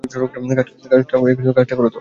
কাজটা করো তো।